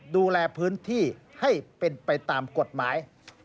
ดูแลพื้นที่ให้เป็นไปตามกฎหมาย